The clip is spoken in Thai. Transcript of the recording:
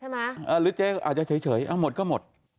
หรือเจ๊อาจจะเฉยเอาหมดก็หมด